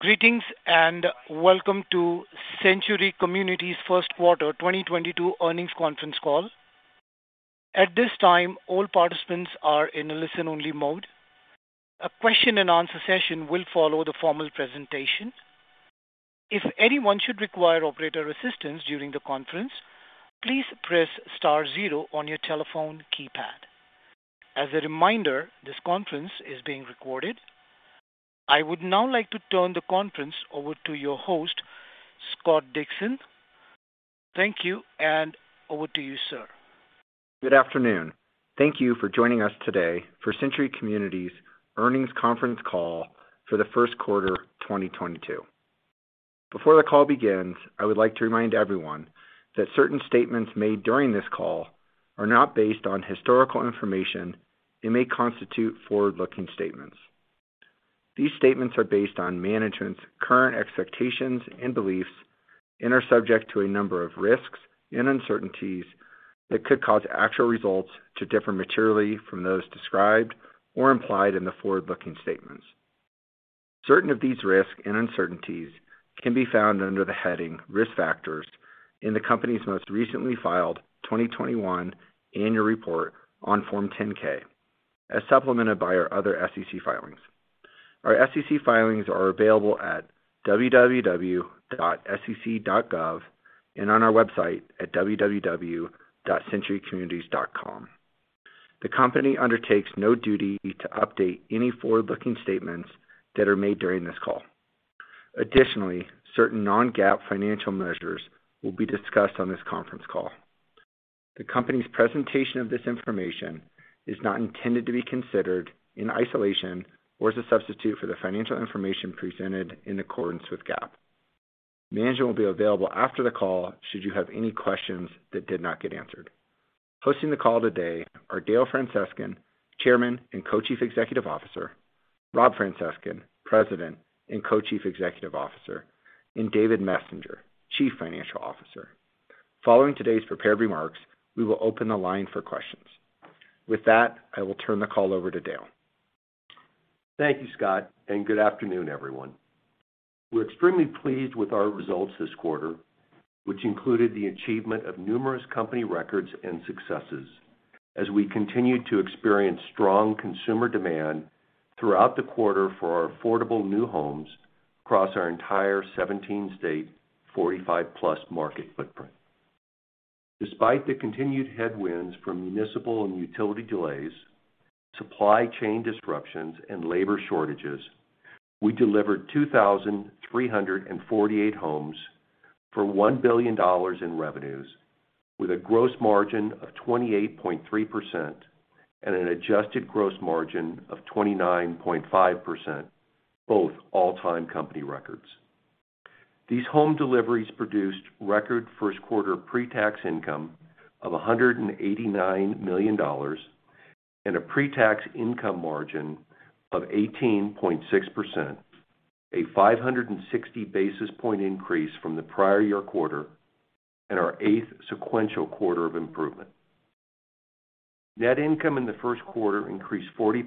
Greetings, and welcome to Century Communities first quarter 2022 earnings conference call. At this time, all participants are in a listen-only mode. A question-and-answer session will follow the formal presentation. If anyone should require operator assistance during the conference, please press star zero on your telephone keypad. As a reminder, this conference is being recorded. I would now like to turn the conference over to your host, Scott Dixon. Thank you, and over to you, sir. Good afternoon. Thank you for joining us today for Century Communities earnings conference call for the first quarter 2022. Before the call begins, I would like to remind everyone that certain statements made during this call are not based on historical information and may constitute forward-looking statements. These statements are based on management's current expectations and beliefs and are subject to a number of risks and uncertainties that could cause actual results to differ materially from those described or implied in the forward-looking statements. Certain of these risks and uncertainties can be found under the heading Risk Factors in the company's most recently filed 2021 annual report on Form 10-K, as supplemented by our other SEC filings. Our SEC filings are available at www.sec.gov and on our website at www.centurycommunities.com. The company undertakes no duty to update any forward-looking statements that are made during this call. Additionally, certain non-GAAP financial measures will be discussed on this conference call. The company's presentation of this information is not intended to be considered in isolation or as a substitute for the financial information presented in accordance with GAAP. Management will be available after the call should you have any questions that did not get answered. Hosting the call today are Dale Francescon, Chairman and Co-Chief Executive Officer, Rob Francescon, President and Co-Chief Executive Officer, and David Messenger, Chief Financial Officer. Following today's prepared remarks, we will open the line for questions. With that, I will turn the call over to Dale. Thank you, Scott, and good afternoon, everyone. We're extremely pleased with our results this quarter, which included the achievement of numerous company records and successes as we continued to experience strong consumer demand throughout the quarter for our affordable new homes across our entire 17-state, 45-plus market footprint. Despite the continued headwinds from municipal and utility delays, supply chain disruptions, and labor shortages, we delivered 2,348 homes for $1 billion in revenues, with a gross margin of 28.3% and an adjusted gross margin of 29.5%, both all-time company records. These home deliveries produced record first quarter pre-tax income of $189 million and a pre-tax income margin of 18.6%, a 560 basis point increase from the prior year quarter and our eighth sequential quarter of improvement. Net income in the first quarter increased 40%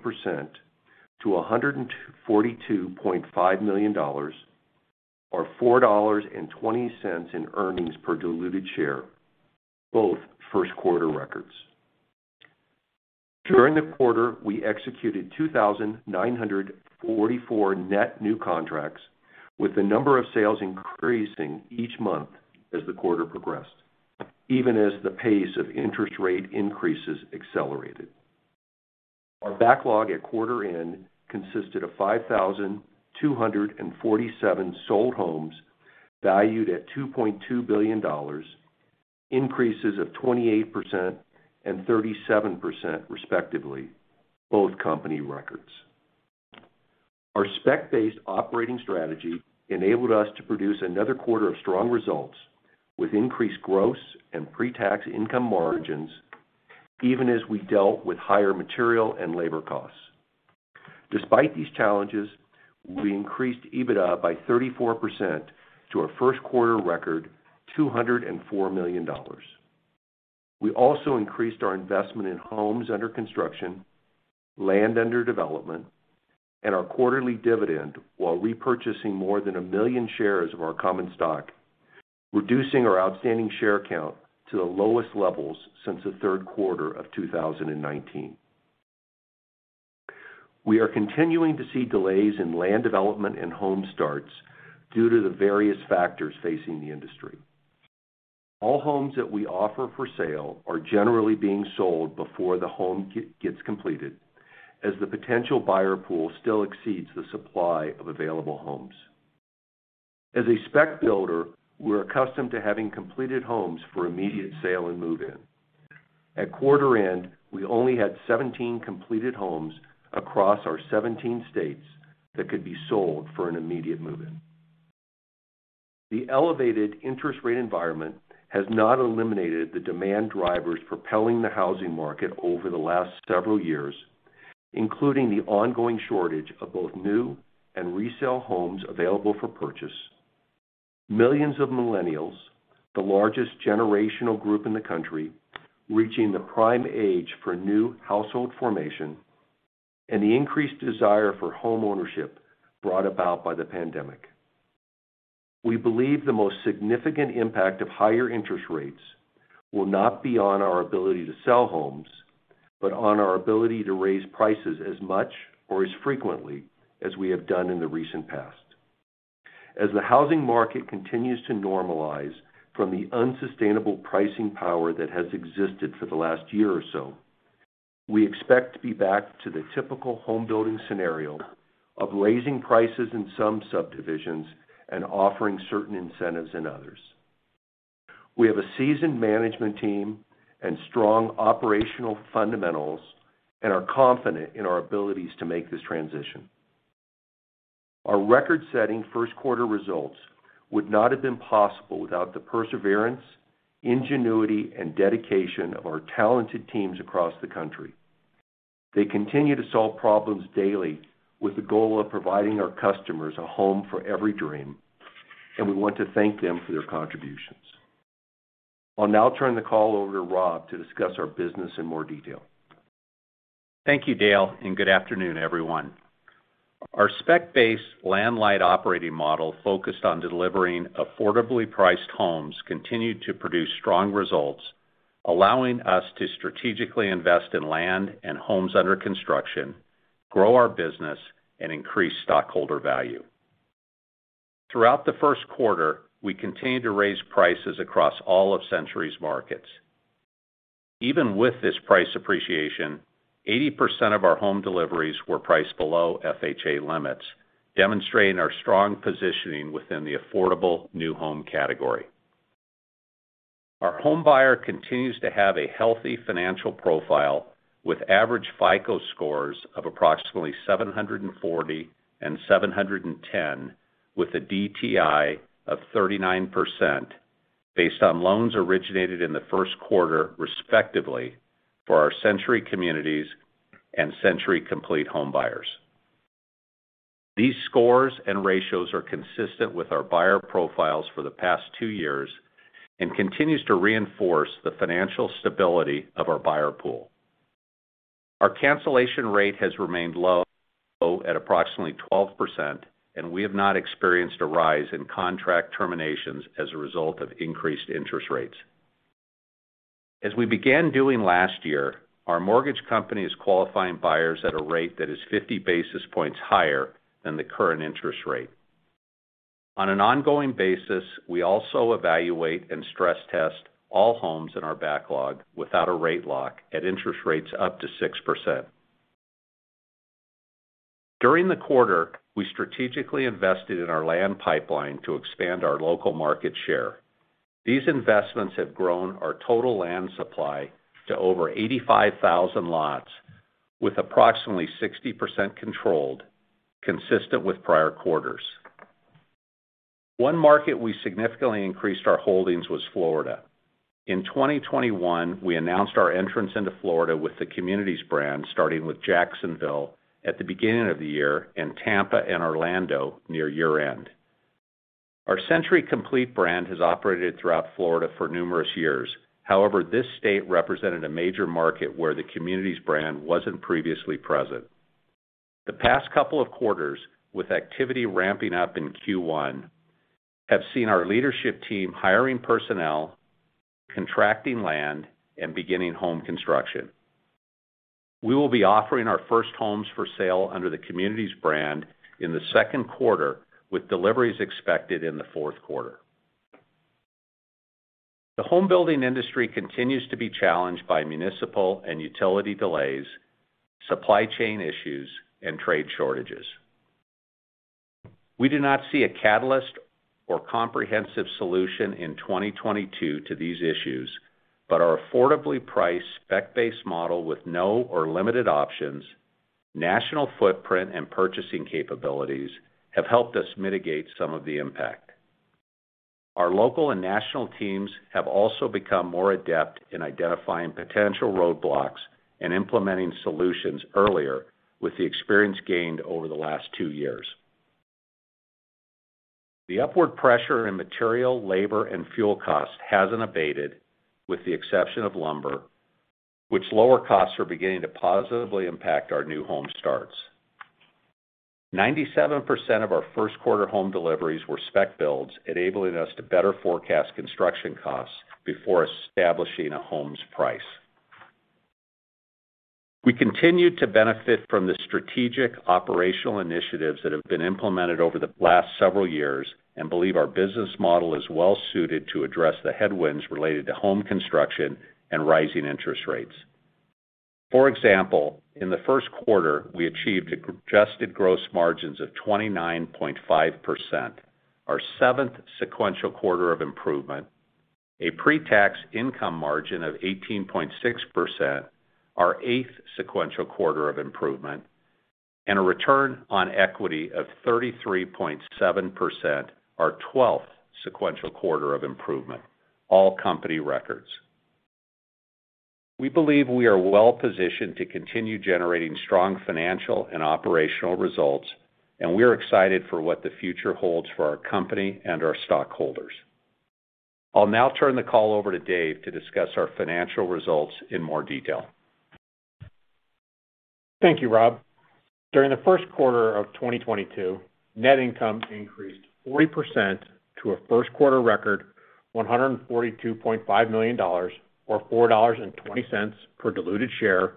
to $142.5 million, or $4.20 in earnings per diluted share, both first-quarter records. During the quarter, we executed 2,944 net new contracts, with the number of sales increasing each month as the quarter progressed, even as the pace of interest rate increases accelerated. Our backlog at quarter end consisted of 5,247 sold homes valued at $2.2 billion, increases of 28% and 37% respectively, both company records. Our spec-based operating strategy enabled us to produce another quarter of strong results with increased gross and pre-tax income margins, even as we dealt with higher material and labor costs. Despite these challenges, we increased EBITDA by 34% to our first quarter record, $204 million. We also increased our investment in homes under construction, land under development, and our quarterly dividend while repurchasing more than 1 million shares of our common stock, reducing our outstanding share count to the lowest levels since the third quarter of 2019. We are continuing to see delays in land development and home starts due to the various factors facing the industry. All homes that we offer for sale are generally being sold before the home gets completed, as the potential buyer pool still exceeds the supply of available homes. As a spec builder, we're accustomed to having completed homes for immediate sale and move-in. At quarter end, we only had 17 completed homes across our 17 states that could be sold for an immediate move-in. The elevated interest rate environment has not eliminated the demand drivers propelling the housing market over the last several years, including the ongoing shortage of both new and resale homes available for purchase. Millions of millennials, the largest generational group in the country, reaching the prime age for new household formation and the increased desire for homeownership brought about by the pandemic. We believe the most significant impact of higher interest rates will not be on our ability to sell homes, but on our ability to raise prices as much or as frequently as we have done in the recent past. As the housing market continues to normalize from the unsustainable pricing power that has existed for the last year or so, we expect to be back to the typical home building scenario of raising prices in some subdivisions and offering certain incentives in others. We have a seasoned management team and strong operational fundamentals and are confident in our abilities to make this transition. Our record-setting first quarter results would not have been possible without the perseverance, ingenuity, and dedication of our talented teams across the country. They continue to solve problems daily with the goal of providing our customers a home for every dream, and we want to thank them for their contributions. I'll now turn the call over to Rob to discuss our business in more detail. Thank you, Dale, and good afternoon, everyone. Our spec-based land light operating model focused on delivering affordably priced homes continued to produce strong results, allowing us to strategically invest in land and homes under construction, grow our business, and increase stockholder value. Throughout the first quarter, we continued to raise prices across all of Century's markets. Even with this price appreciation, 80% of our home deliveries were priced below FHA limits, demonstrating our strong positioning within the affordable new home category. Our home buyer continues to have a healthy financial profile with average FICO scores of approximately 740 and 710, with a DTI of 39% based on loans originated in the first quarter, respectively, for our Century Communities and Century Complete home buyers. These scores and ratios are consistent with our buyer profiles for the past two years and continues to reinforce the financial stability of our buyer pool. Our cancellation rate has remained low at approximately 12%, and we have not experienced a rise in contract terminations as a result of increased interest rates. As we began doing last year, our mortgage company is qualifying buyers at a rate that is 50 basis points higher than the current interest rate. On an ongoing basis, we also evaluate and stress test all homes in our backlog without a rate lock at interest rates up to 6%. During the quarter, we strategically invested in our land pipeline to expand our local market share. These investments have grown our total land supply to over 85,000 lots with approximately 60% controlled, consistent with prior quarters. One market we significantly increased our holdings was Florida. In 2021, we announced our entrance into Florida with the Century Communities brand, starting with Jacksonville at the beginning of the year and Tampa and Orlando near year-end. Our Century Complete brand has operated throughout Florida for numerous years. However, this state represented a major market where the Century Communities brand wasn't previously present. The past couple of quarters, with activity ramping up in Q1, have seen our leadership team hiring personnel, contracting land, and beginning home construction. We will be offering our first homes for sale under the Century Communities brand in the second quarter, with deliveries expected in the fourth quarter. The home building industry continues to be challenged by municipal and utility delays, supply chain issues, and trade shortages. We do not see a catalyst or comprehensive solution in 2022 to these issues, but our affordably priced spec-based model with no or limited options, national footprint, and purchasing capabilities have helped us mitigate some of the impact. Our local and national teams have also become more adept in identifying potential roadblocks and implementing solutions earlier with the experience gained over the last two years. The upward pressure in material, labor, and fuel costs hasn't abated with the exception of lumber, which lower costs are beginning to positively impact our new home starts. 97% of our first quarter home deliveries were spec builds, enabling us to better forecast construction costs before establishing a home's price. We continue to benefit from the strategic operational initiatives that have been implemented over the last several years and believe our business model is well suited to address the headwinds related to home construction and rising interest rates. For example, in the first quarter, we achieved adjusted gross margins of 29.5%, our seventh sequential quarter of improvement, a pre-tax income margin of 18.6%, our eighth sequential quarter of improvement, and a return on equity of 33.7%, our twelfth sequential quarter of improvement, all company records. We believe we are well positioned to continue generating strong financial and operational results, and we're excited for what the future holds for our company and our stockholders. I'll now turn the call over to Dave to discuss our financial results in more detail. Thank you, Rob. During the first quarter of 2022, net income increased 40% to a first quarter record $142.5 million or $4.20 per diluted share,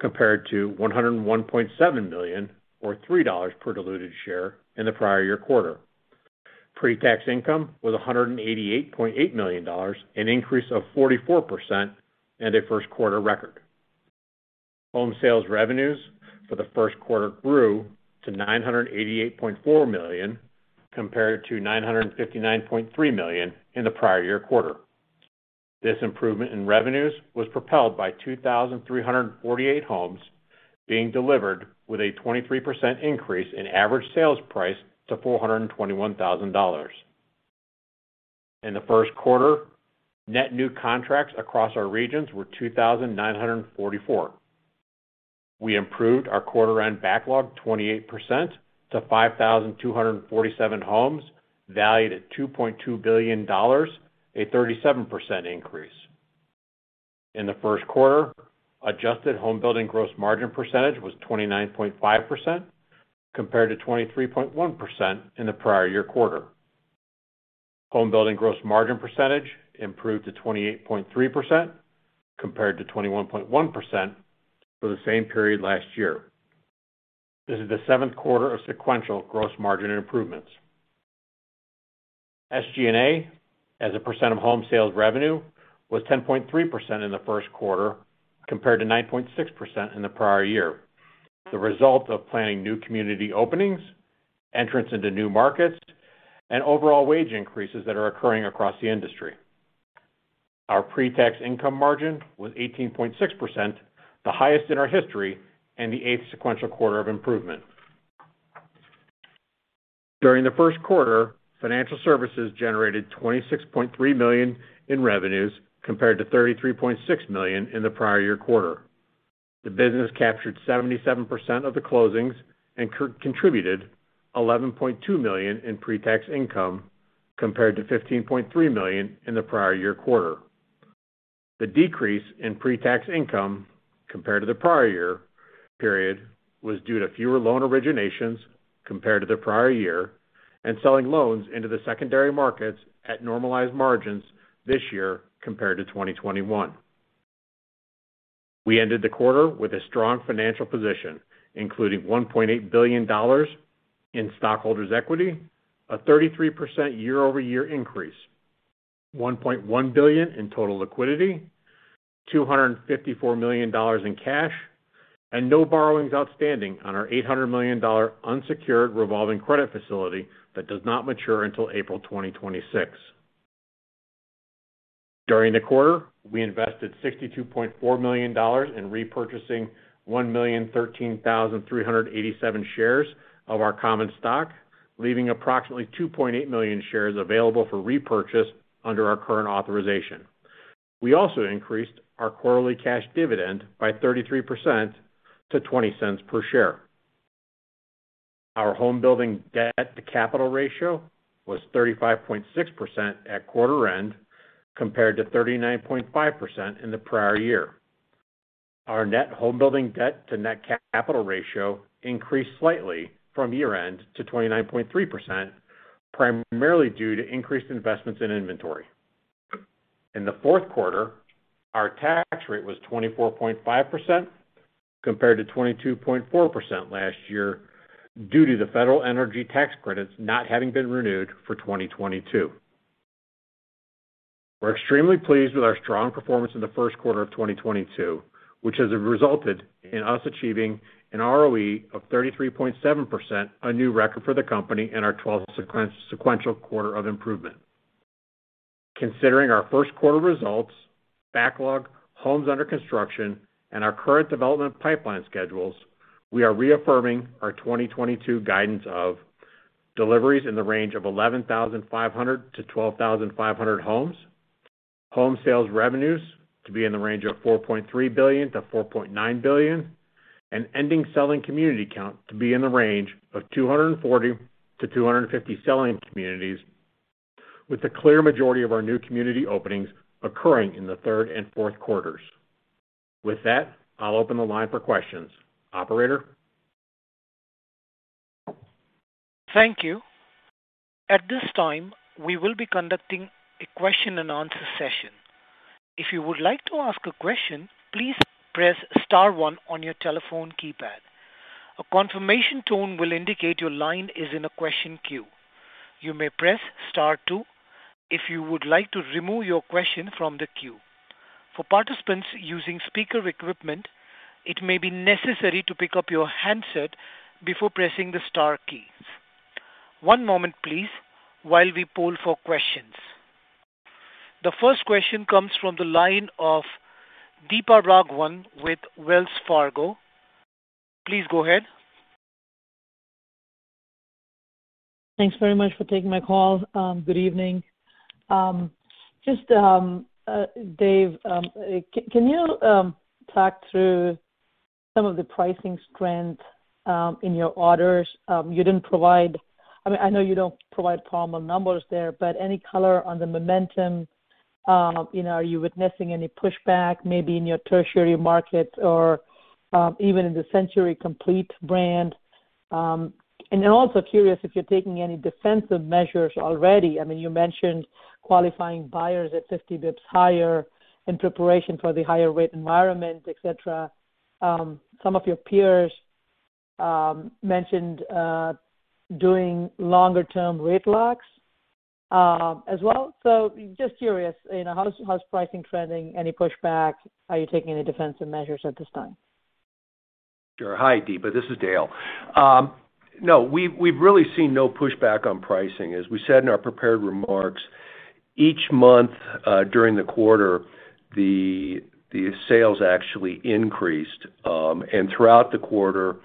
compared to $101.7 million or $3 per diluted share in the prior year quarter. Pre-tax income was $188.8 million, an increase of 44% and a first quarter record. Home sales revenues for the first quarter grew to $988.4 million compared to $959.3 million in the prior year quarter. This improvement in revenues was propelled by 2,348 homes being delivered with a 23% increase in average sales price to $421,000. In the first quarter, net new contracts across our regions were 2,944. We improved our quarter end backlog 28% to 5,247 homes valued at $2.2 billion, a 37% increase. In the first quarter, adjusted home building gross margin percentage was 29.5% compared to 23.1% in the prior year quarter. Home building gross margin percentage improved to 28.3% compared to 21.1% for the same period last year. This is the seventh quarter of sequential gross margin improvements. SG&A, as a percent of home sales revenue, was 10.3% in the first quarter compared to 9.6% in the prior year, the result of planning new community openings, entrance into new markets, and overall wage increases that are occurring across the industry. Our pre-tax income margin was 18.6%, the highest in our history and the eighth sequential quarter of improvement. During the first quarter, financial services generated $26.3 million in revenues compared to $33.6 million in the prior year quarter. The business captured 77% of the closings and contributed $11.2 million in pre-tax income compared to $15.3 million in the prior year quarter. The decrease in pre-tax income compared to the prior year period was due to fewer loan originations compared to the prior year and selling loans into the secondary markets at normalized margins this year compared to 2021. We ended the quarter with a strong financial position, including $1.8 billion in stockholders' equity, a 33% year-over-year increase, $1.1 billion in total liquidity, $254 million in cash, and no borrowings outstanding on our $800 million unsecured revolving credit facility that does not mature until April 2026. During the quarter, we invested $62.4 million in repurchasing 1,013,387 shares of our common stock, leaving approximately 2.8 million shares available for repurchase under our current authorization. We also increased our quarterly cash dividend by 33% to $0.20 per share. Our home building debt-to-capital ratio was 35.6% at quarter end compared to 39.5% in the prior year. Our net home building debt-to-net capital ratio increased slightly from year-end to 29.3%, primarily due to increased investments in inventory. In the fourth quarter, our tax rate was 24.5% compared to 22.4% last year due to the federal energy tax credits not having been renewed for 2022. We're extremely pleased with our strong performance in the first quarter of 2022, which has resulted in us achieving an ROE of 33.7%, a new record for the company and our 12th sequential quarter of improvement. Considering our first quarter results, backlog, homes under construction, and our current development pipeline schedules, we are reaffirming our 2022 guidance of deliveries in the range of 11,500-12,500 homes, home sales revenues to be in the range of $4.3 billion-$4.9 billion, and ending selling community count to be in the range of 240-250 selling communities, with the clear majority of our new community openings occurring in the third and fourth quarters. With that, I'll open the line for questions. Operator? Thank you. At this time, we will be conducting a question-and-answer session. If you would like to ask a question, please press star one on your telephone keypad. A confirmation tone will indicate your line is in a question queue. You may press star two if you would like to remove your question from the queue. For participants using speaker equipment, it may be necessary to pick up your handset before pressing the star keys. One moment, please, while we poll for questions. The first question comes from the line of Deepa Raghavan with Wells Fargo. Please go ahead. Thanks very much for taking my call. Good evening. Just, Dave, can you talk through some of the pricing strength in your orders? You didn't provide, I mean, I know you don't provide pro forma numbers there, but any color on the momentum? You know, are you witnessing any pushback maybe in your tertiary markets or even in the Century Complete brand? And then also curious if you're taking any defensive measures already. I mean, you mentioned qualifying buyers at 50 basis points higher in preparation for the higher rate environment, et cetera. Some of your peers mentioned doing longer-term rate locks as well. Just curious, you know, how's pricing trending? Any pushback? Are you taking any defensive measures at this time? Sure. Hi, Deepa. This is Dale. No, we've really seen no pushback on pricing. As we said in our prepared remarks, each month during the quarter, the sales actually increased. Throughout the quarter,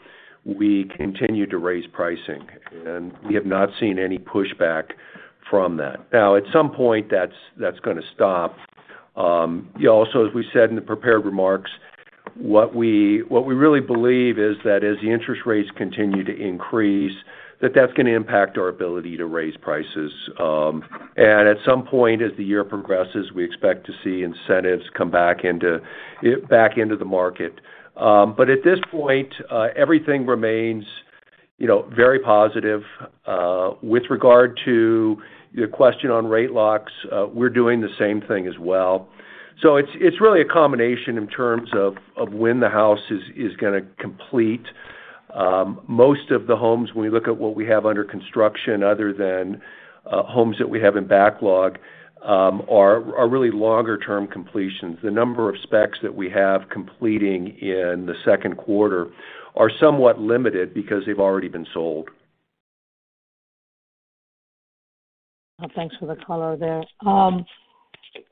we continued to raise pricing, and we have not seen any pushback from that. Now, at some point, that's gonna stop. Also, as we said in the prepared remarks, what we really believe is that as the interest rates continue to increase, that's gonna impact our ability to raise prices. At some point, as the year progresses, we expect to see incentives come back into the market. At this point, everything remains, you know, very positive. With regard to your question on rate locks, we're doing the same thing as well. It's really a combination in terms of when the house is gonna complete. Most of the homes, when we look at what we have under construction other than homes that we have in backlog, are really longer-term completions. The number of specs that we have completing in the second quarter are somewhat limited because they've already been sold. Well, thanks for the color there.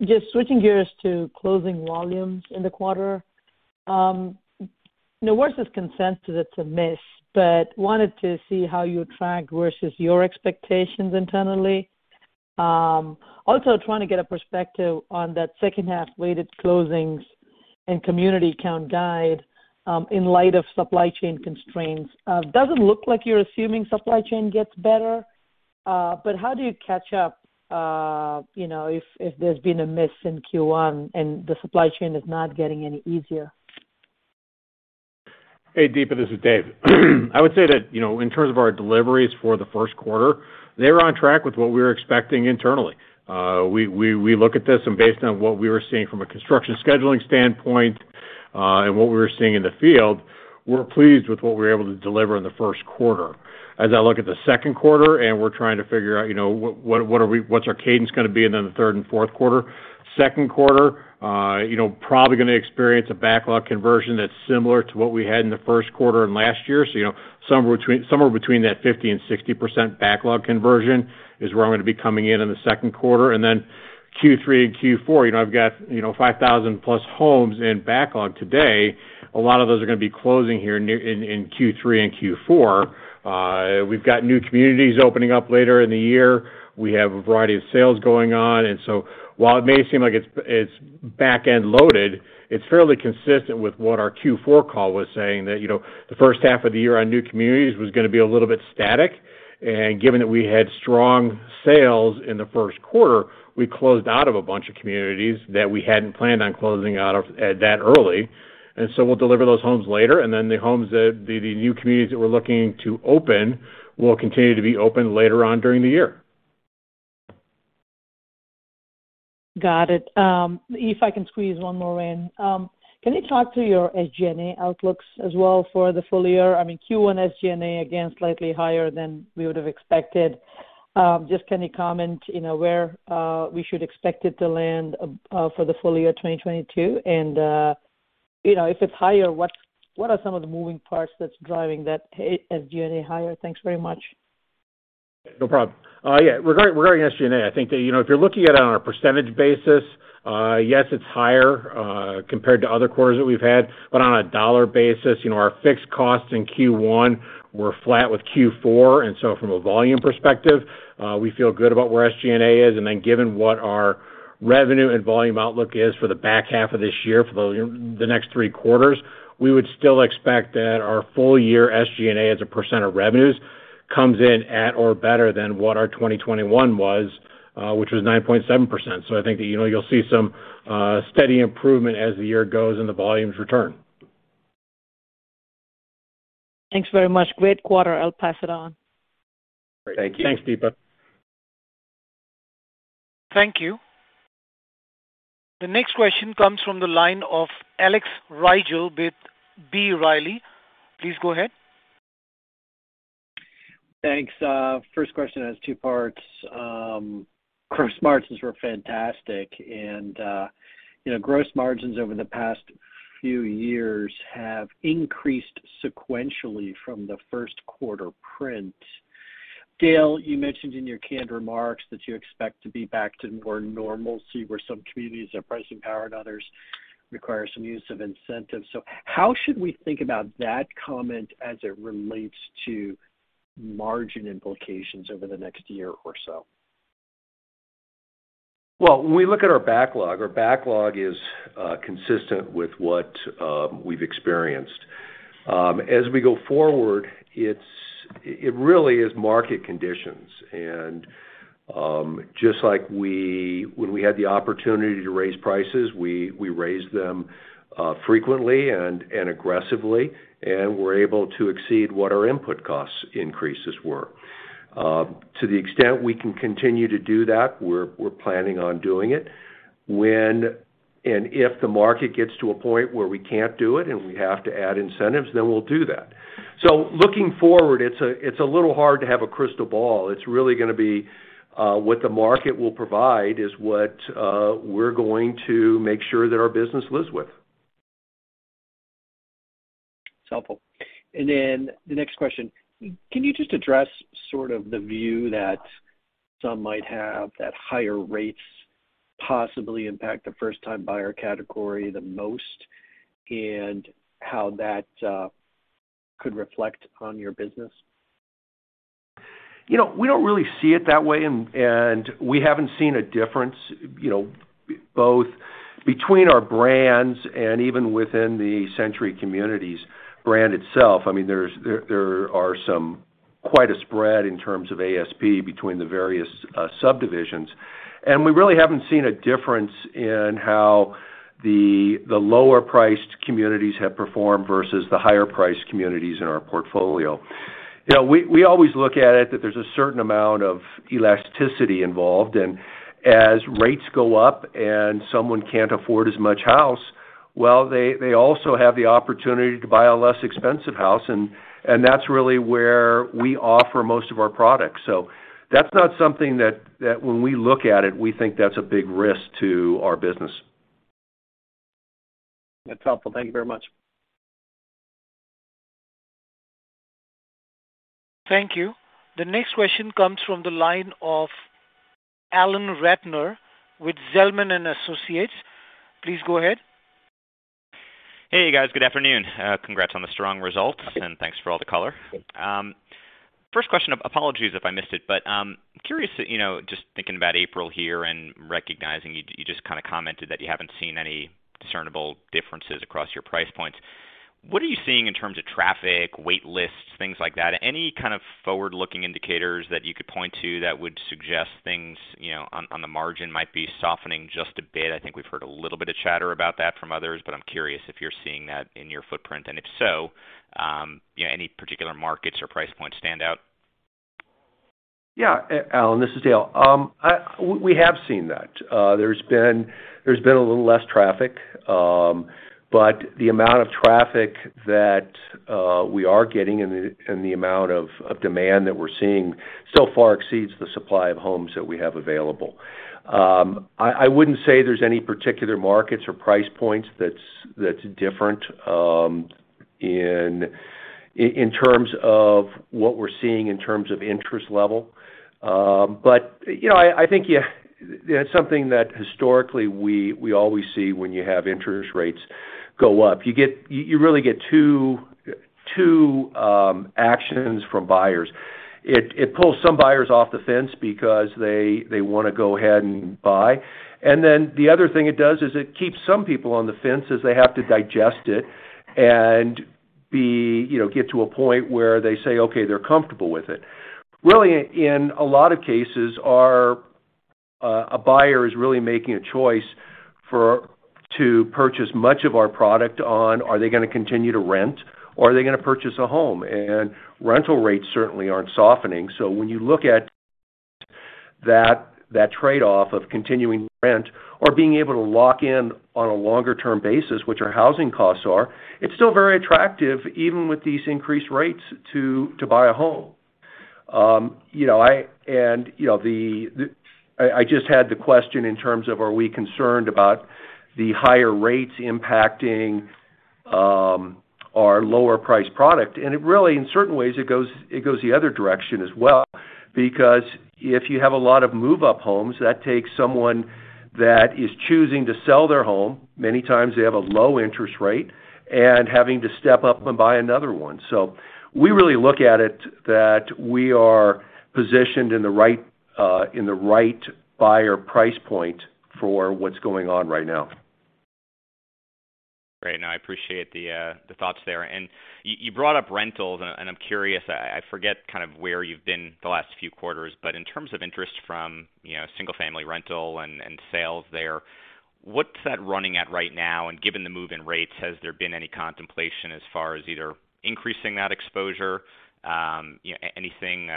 Just switching gears to closing volumes in the quarter. You know, versus consensus, it's a miss, but wanted to see how you track versus your expectations internally. Also trying to get a perspective on that second half weighted closings and community count guide, in light of supply chain constraints. Doesn't look like you're assuming supply chain gets better. How do you catch up, you know, if there's been a miss in Q1 and the supply chain is not getting any easier? Hey, Deepa, this is Dave. I would say that, you know, in terms of our deliveries for the first quarter, they were on track with what we were expecting internally. We look at this and based on what we were seeing from a construction scheduling standpoint, and what we were seeing in the field, we're pleased with what we were able to deliver in the first quarter. As I look at the second quarter and we're trying to figure out, you know, what's our cadence gonna be and then the third and fourth quarter. Second quarter, you know, probably gonna experience a backlog conversion that's similar to what we had in the first quarter and last year. You know, somewhere between that 50%-60% backlog conversion is where I'm gonna be coming in in the second quarter. Then Q3 and Q4, you know, I've got, you know, 5,000+ homes in backlog today. A lot of those are gonna be closing here in Q3 and Q4. We've got new communities opening up later in the year. We have a variety of sales going on. While it may seem like it's back-end loaded, it's fairly consistent with what our Q4 call was saying that, you know, the first half of the year on new communities was gonna be a little bit static. Given that we had strong sales in the first quarter, we closed out of a bunch of communities that we hadn't planned on closing out of at that early. We'll deliver those homes later, and then the homes that the new communities that we're looking to open will continue to be open later on during the year. Got it. If I can squeeze one more in. Can you talk to your SG&A outlooks as well for the full year? I mean, Q1 SG&A, again, slightly higher than we would have expected. Just can you comment, you know, where we should expect it to land, for the full year 2022? You know, if it's higher, what are some of the moving parts that's driving that SG&A higher? Thanks very much. No problem. Yeah, regarding SG&A, I think that, you know, if you're looking at it on a percentage basis, yes, it's higher compared to other quarters that we've had. On a dollar basis, you know, our fixed costs in Q1 were flat with Q4, and so from a volume perspective, we feel good about where SG&A is. Given what our revenue and volume outlook is for the back half of this year, for the next three quarters, we would still expect that our full year SG&A as a percent of revenues comes in at or better than what our 2021 was, which was 9.7%. I think that, you know, you'll see some steady improvement as the year goes and the volumes return. Thanks very much. Great quarter. I'll pass it on. Thank you. Thanks, Deepa. Thank you. The next question comes from the line of Alex Rygiel with B. Riley. Please go ahead. Thanks. First question has two parts. Gross margins were fantastic and, you know, gross margins over the past few years have increased sequentially from the first quarter print. Dale, you mentioned in your canned remarks that you expect to be back to more normalcy, where some communities have pricing power and others require some use of incentives. How should we think about that comment as it relates to margin implications over the next year or so? Well, when we look at our backlog, our backlog is consistent with what we've experienced. As we go forward, it really is market conditions and just like when we had the opportunity to raise prices, we raised them frequently and aggressively, and we're able to exceed what our input cost increases were. To the extent we can continue to do that, we're planning on doing it. When and if the market gets to a point where we can't do it and we have to add incentives, then we'll do that. Looking forward, it's a little hard to have a crystal ball. It's really gonna be what the market will provide is what we're going to make sure that our business lives with. It's helpful. The next question, can you just address sort of the view that some might have that higher rates possibly impact the first time buyer category the most, and how that could reflect on your business? You know, we don't really see it that way, and we haven't seen a difference, you know, both between our brands and even within the Century Communities brand itself. I mean, there are some quite a spread in terms of ASP between the various subdivisions. We really haven't seen a difference in how the lower priced communities have performed versus the higher priced communities in our portfolio. You know, we always look at it that there's a certain amount of elasticity involved. As rates go up and someone can't afford as much house, well, they also have the opportunity to buy a less expensive house, and that's really where we offer most of our products. That's not something that when we look at it, we think that's a big risk to our business. That's helpful. Thank you very much. Thank you. The next question comes from the line of Alan Ratner with Zelman & Associates. Please go ahead. Hey, you guys. Good afternoon. Congrats on the strong results, and thanks for all the color. First question, apologies if I missed it, but curious, you know, just thinking about April here and recognizing you just kind of commented that you haven't seen any discernible differences across your price points. What are you seeing in terms of traffic, wait lists, things like that? Any kind of forward-looking indicators that you could point to that would suggest things, you know, on the margin might be softening just a bit? I think we've heard a little bit of chatter about that from others, but I'm curious if you're seeing that in your footprint, and if so, you know, any particular markets or price points stand out? Yeah, Alan, this is Dale. We have seen that. There's been a little less traffic, but the amount of traffic that we are getting and the amount of demand that we're seeing so far exceeds the supply of homes that we have available. I wouldn't say there's any particular markets or price points that's different in terms of what we're seeing in terms of interest level. You know, I think it's something that historically we always see when you have interest rates go up. You really get two actions from buyers. It pulls some buyers off the fence because they wanna go ahead and buy. Then the other thing it does is it keeps some people on the fence as they have to digest it and be, you know, get to a point where they say, okay, they're comfortable with it. Really in a lot of cases, our a buyer is really making a choice to purchase much of our product on, are they gonna continue to rent or are they gonna purchase a home? Rental rates certainly aren't softening. When you look at that trade-off of continuing rent or being able to lock in on a longer term basis, which our housing costs are, it's still very attractive, even with these increased rates to buy a home. You know, I just had the question in terms of, are we concerned about the higher rates impacting our lower priced product? It really, in certain ways, it goes the other direction as well because if you have a lot of move-up homes, that takes someone that is choosing to sell their home, many times they have a low interest rate, and having to step up and buy another one. We really look at it that we are positioned in the right buyer price point for what's going on right now. Great. Now, I appreciate the thoughts there. You brought up rentals, and I'm curious. I forget kind of where you've been the last few quarters, but in terms of interest from, you know, single-family rental and sales there, what's that running at right now? Given the move in rates, has there been any contemplation as far as either increasing that exposure, you know, anything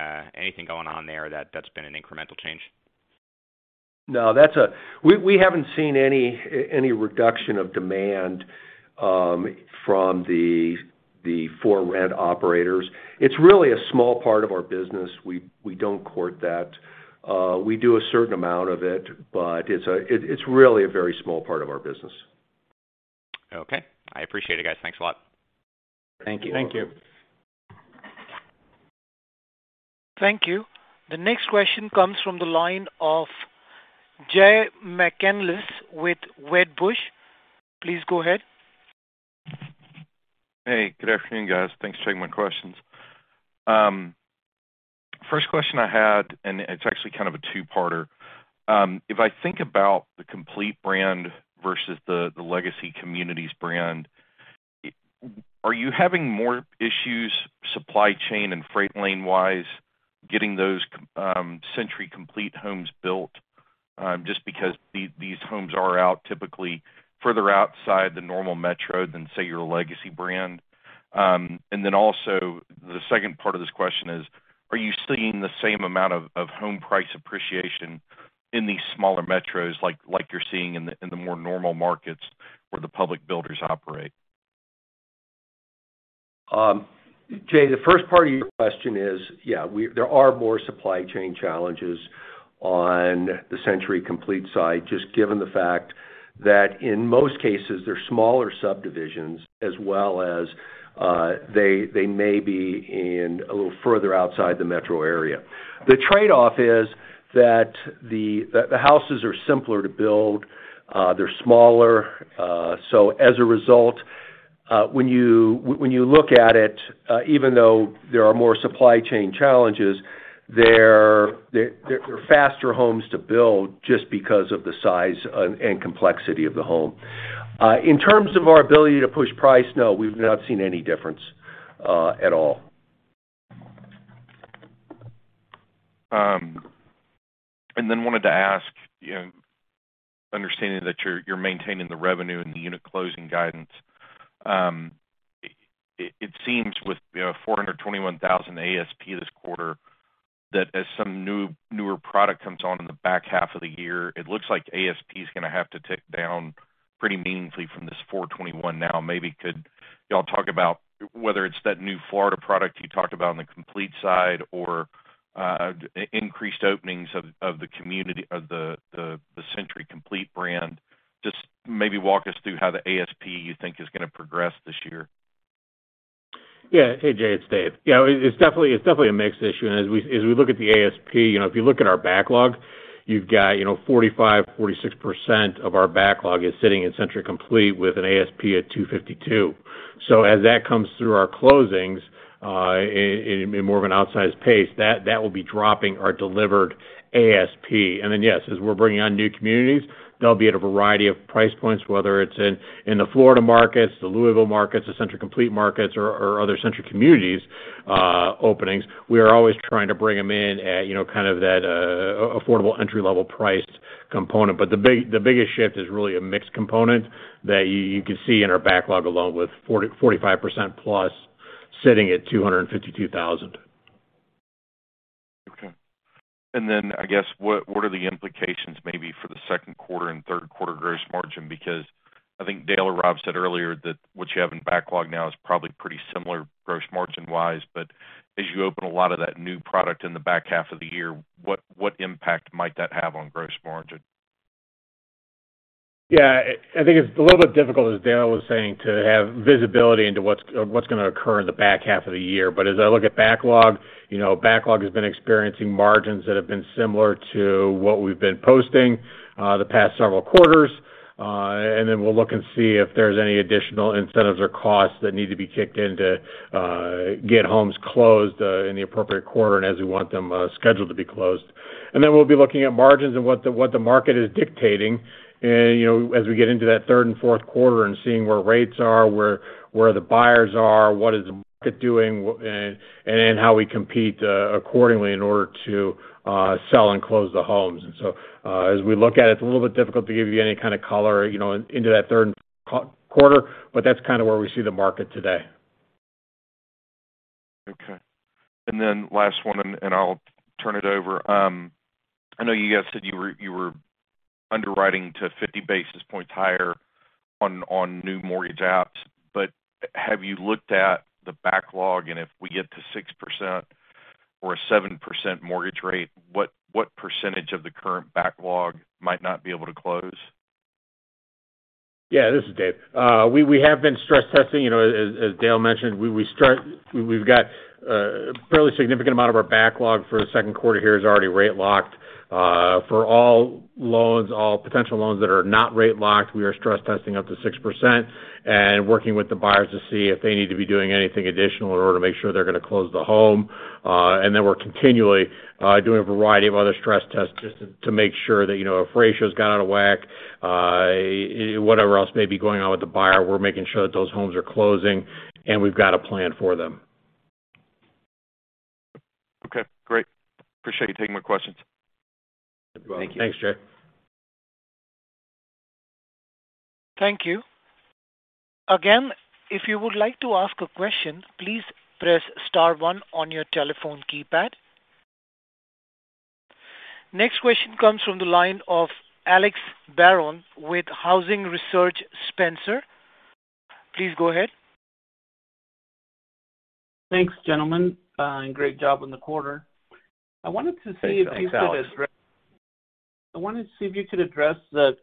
going on there that's been an incremental change? No, we haven't seen any reduction of demand from the for-rent operators. It's really a small part of our business. We don't court that. We do a certain amount of it, but it's really a very small part of our business. Okay. I appreciate it, guys. Thanks a lot. Thank you. Thank you. Thank you. The next question comes from the line of Jay McCanless with Wedbush. Please go ahead. Hey, good afternoon, guys. Thanks for taking my questions. First question I had, and it's actually kind of a two-parter. If I think about the Century Complete brand versus the Century Communities brand, are you having more issues supply chain and freight lane-wise, getting those Century Complete homes built, just because these homes are out typically further outside the normal metro than, say, your Legacy brand? And then also, the second part of this question is, are you seeing the same amount of home price appreciation in these smaller metros like you're seeing in the more normal markets where the public builders operate? Jay, the first part of your question is, yeah, there are more supply chain challenges on the Century Complete side, just given the fact that in most cases, they're smaller subdivisions as well as they may be a little further outside the metro area. The trade-off is that the houses are simpler to build. They're smaller. So as a result, when you look at it, even though there are more supply chain challenges, they're faster homes to build just because of the size and complexity of the home. In terms of our ability to push price, no, we've not seen any difference at all. Wanted to ask, you know, understanding that you're maintaining the revenue and the unit closing guidance, it seems with, you know, $421,000 ASP this quarter that as some newer product comes on in the back half of the year, it looks like ASP is gonna have to tick down pretty meaningfully from this $421,000 now. Maybe could y'all talk about whether it's that new Florida product you talked about on the Complete side or increased openings of the Century Complete brand. Just maybe walk us through how the ASP you think is gonna progress this year. Yeah. Hey, Jay, it's Dave. Yeah, it's definitely a mixed issue. As we look at the ASP, you know, if you look at our backlog, you've got, you know, 45%-46% of our backlog is sitting in Century Complete with an ASP at $252,000. So as that comes through our closings in more of an outsized pace, that will be dropping our delivered ASP. Yes, as we're bringing on new communities, they'll be at a variety of price points, whether it's in the Florida markets, the Louisville markets, the Century Complete markets or other Century Communities openings. We are always trying to bring them in at, you know, kind of that affordable entry-level priced component. The biggest shift is really a mixed component that you can see in our backlog, along with 45% plus sitting at $252,000. Okay. Then I guess, what are the implications maybe for the second quarter and third quarter gross margin? Because I think Dale or Rob said earlier that what you have in backlog now is probably pretty similar gross margin-wise. As you open a lot of that new product in the back half of the year, what impact might that have on gross margin? Yeah, I think it's a little bit difficult, as Dale was saying, to have visibility into what's gonna occur in the back half of the year. As I look at backlog, you know, backlog has been experiencing margins that have been similar to what we've been posting the past several quarters. Then we'll look and see if there's any additional incentives or costs that need to be kicked in to get homes closed in the appropriate quarter, and as we want them scheduled to be closed. Then we'll be looking at margins and what the market is dictating and, you know, as we get into that third and fourth quarter and seeing where rates are, where the buyers are, what is the market doing, and how we compete accordingly in order to sell and close the homes. As we look at it's a little bit difficult to give you any kind of color into that third quarter, but that's kind of where we see the market today. Okay. Then last one, and I'll turn it over. I know you guys said you were underwriting to 50 basis points higher on new mortgage apps, but have you looked at the backlog? If we get to 6% or a 7% mortgage rate, what percentage of the current backlog might not be able to close? Yeah, this is Dave. We have been stress testing. You know, as Dale mentioned, we've got a fairly significant amount of our backlog for the second quarter here is already rate locked. For all loans, all potential loans that are not rate locked, we are stress testing up to 6% and working with the buyers to see if they need to be doing anything additional in order to make sure they're gonna close the home. Then we're continually doing a variety of other stress tests just to make sure that, you know, if ratios got out of whack, whatever else may be going on with the buyer, we're making sure that those homes are closing, and we've got a plan for them. Okay, great. Appreciate you taking my questions. You're welcome. Thank you. Thanks, Jay. Thank you. Again, if you would like to ask a question, please press star one on your telephone keypad. Next question comes from the line of Alex Barrón with Housing Research Center. Please go ahead. Thanks, gentlemen, and great job on the quarter. I wanted to see if you could address the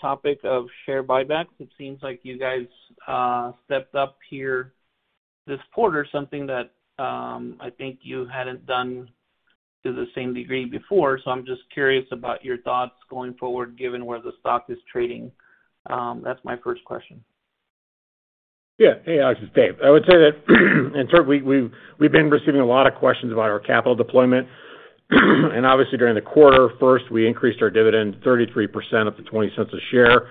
topic of share buybacks. It seems like you guys stepped up here this quarter, something that I think you hadn't done to the same degree before. I'm just curious about your thoughts going forward, given where the stock is trading. That's my first question. Yeah. Hey, Alex, it's Dave. I would say that in terms we've been receiving a lot of questions about our capital deployment. Obviously, during the quarter, first, we increased our dividend 33% up to $0.20 a share.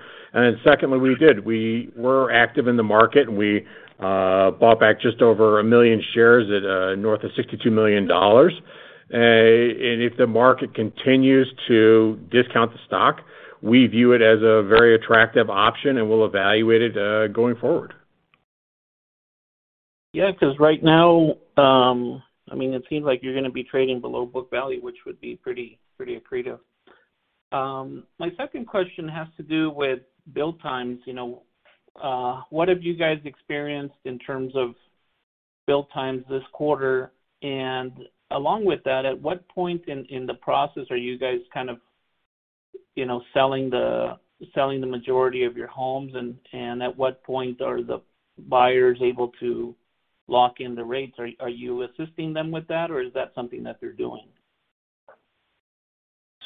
Secondly, we were active in the market, and we bought back just over 1 million shares at north of $62 million. If the market continues to discount the stock, we view it as a very attractive option, and we'll evaluate it going forward. Yeah, 'cause right now, I mean, it seems like you're gonna be trading below book value, which would be pretty accretive. My second question has to do with build times. You know, what have you guys experienced in terms of build times this quarter? And along with that, at what point in the process are you guys kind of, you know, selling the majority of your homes? And at what point are the buyers able to lock in the rates? Are you assisting them with that, or is that something that they're doing?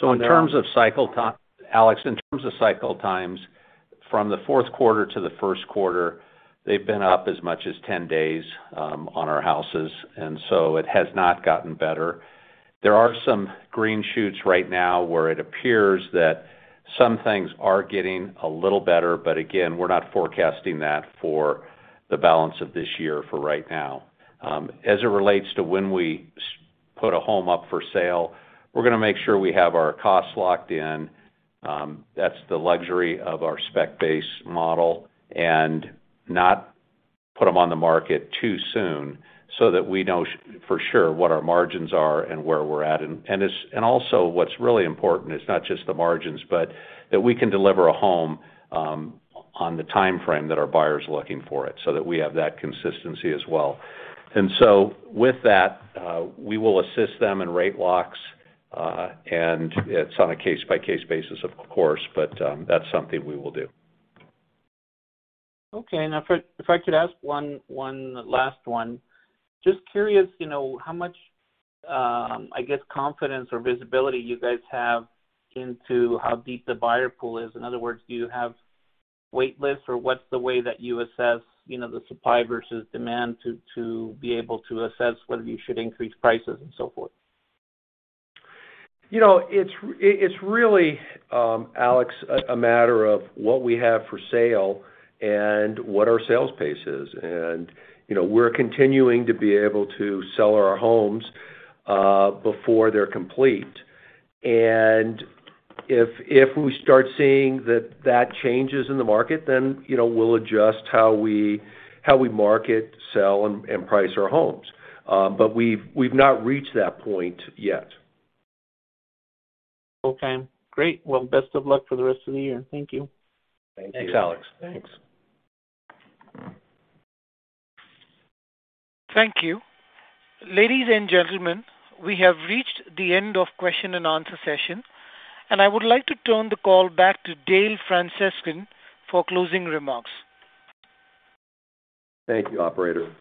In terms of cycle times, Alex, from the fourth quarter to the first quarter, they've been up as much as 10 days on our houses, and it has not gotten better. There are some green shoots right now where it appears that some things are getting a little better, but again, we're not forecasting that for the balance of this year for right now. As it relates to when we put a home up for sale, we're gonna make sure we have our costs locked in. That's the luxury of our spec-based model, and not put them on the market too soon so that we know for sure what our margins are and where we're at. What's really important is not just the margins, but that we can deliver a home on the timeframe that our buyer's looking for it, so that we have that consistency as well. With that, we will assist them in rate locks, and it's on a case-by-case basis of course, but that's something we will do. Okay. Now if I could ask one last one. Just curious, you know, how much, I guess confidence or visibility you guys have into how deep the buyer pool is. In other words, do you have wait lists or what's the way that you assess, you know, the supply versus demand to be able to assess whether you should increase prices and so forth? You know, it's really, Alex, a matter of what we have for sale and what our sales pace is. You know, we're continuing to be able to sell our homes before they're complete. If we start seeing that changes in the market, then, you know, we'll adjust how we market, sell and price our homes. We've not reached that point yet. Okay, great. Well, best of luck for the rest of the year. Thank you. Thank you. Thanks, Alex. Thanks. Thank you. Ladies and gentlemen, we have reached the end of question and answer session, and I would like to turn the call back to Dale Francescon for closing remarks. Thank you, operator.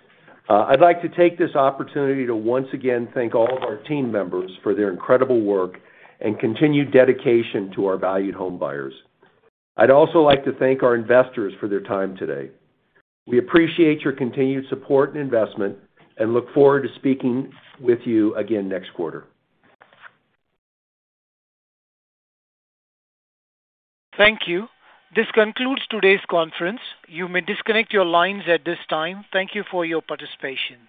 I'd like to take this opportunity to once again thank all of our team members for their incredible work and continued dedication to our valued home buyers. I'd also like to thank our investors for their time today. We appreciate your continued support and investment and look forward to speaking with you again next quarter. Thank you. This concludes today's conference. You may disconnect your lines at this time. Thank you for your participation.